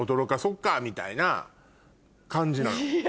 みたいな感じなの。